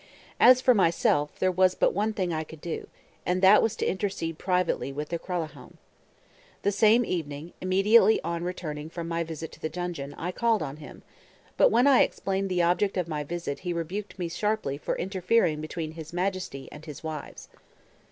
As for myself, there was but one thing I could do; and that was to intercede privately with the Kralahome. The same evening, immediately on returning from my visit to the dungeon, I called on him; but when I explained the object of my visit he rebuked me sharply for interfering between his Majesty and his wives.